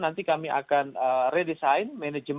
yang kita cuma bacanya nahah